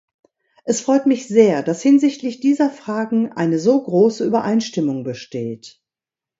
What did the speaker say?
Es freut mich sehr, dass hinsichtlich dieser Fragen eine so große Übereinstimmung besteht.